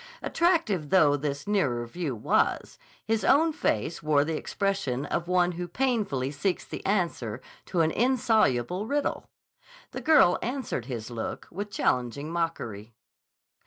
Attractive though this nearer view was, his own face wore the expression of one who painfully seeks the answer to an insoluble riddle. The girl answered his look with challenging mockery.